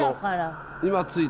今、着いた。